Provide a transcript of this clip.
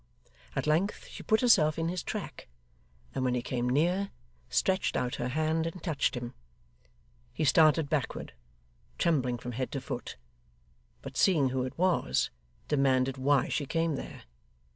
At length she put herself in his track, and when he came near, stretched out her hand and touched him. He started backward, trembling from head to foot; but seeing who it was, demanded why she came there.